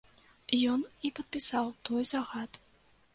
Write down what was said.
Ён і падпісаў той загад.